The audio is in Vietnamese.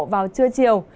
vào trưa chiều